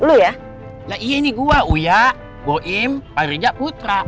uya ini gue uya goim pak reza putra